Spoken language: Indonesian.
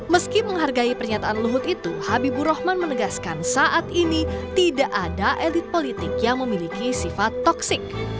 meski menghargai pernyataan luhut itu habibur rahman menegaskan saat ini tidak ada elit politik yang memiliki sifat toksik